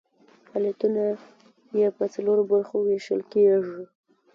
فعالیتونه یې په څلورو برخو ویشل کیږي.